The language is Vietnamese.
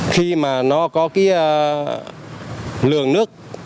khi mà nó có cái lường nước